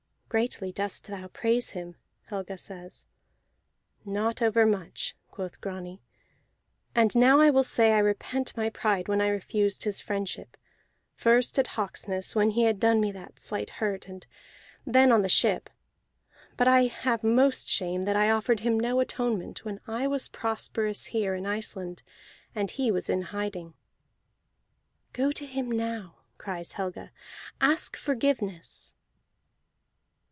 "Greatly dost thou praise him," Helga says. "Not overmuch," quoth Grani. "And now I will say I repent my pride when I refused his friendship: first at Hawksness, when he had done me that slight hurt, and then on the ship. But I have most shame that I offered him no atonement when I was prosperous here in Iceland, and he was in hiding." "Go to him now," cries Helga. "Ask forgiveness!"